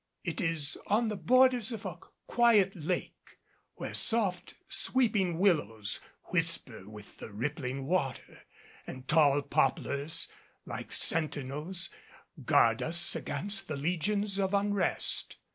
It is on the borders of a quiet lake, where soft sweeping willows whisper with the rippling water, and tall poplars, like sentinels, guard us against the legions of unrest.